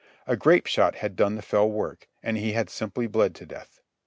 A grape shot had done the fell work, and he had simply bled to death.